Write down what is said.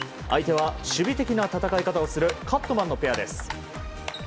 相手は守備的な戦い方をするカットマンのペアです。